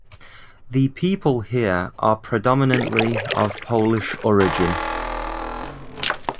The people here are predominantly of Polish origin.